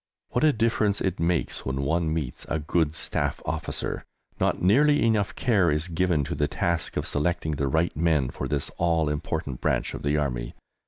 What a difference it makes when one meets a good Staff Officer! Not nearly enough care is given to the task of selecting the right men for this all important branch of the Army.